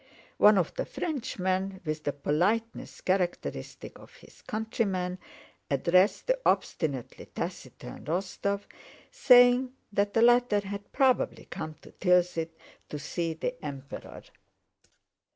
One of the Frenchmen, with the politeness characteristic of his countrymen, addressed the obstinately taciturn Rostóv, saying that the latter had probably come to Tilsit to see the Emperor.